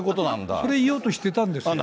それを言おうとしてたんですよ、私は。